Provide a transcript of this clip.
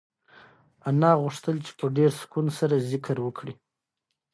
انا غوښتل چې په ډېر سکون سره ذکر وکړي.